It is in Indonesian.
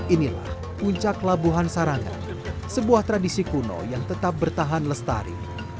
inilah puncak labuhan sarangan sebuah tradisi kuno yang tetap bertahan lestari